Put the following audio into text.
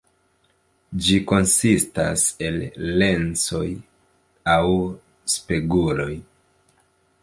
Ĝi konsistas el lensoj aŭ speguloj.